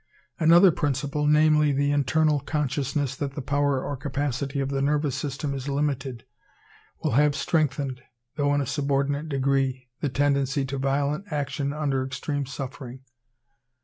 Another principle, namely, the internal consciousness that the power or capacity of the nervous system is limited, will have strengthened, though in a subordinate degree, the tendency to violent action under extreme suffering.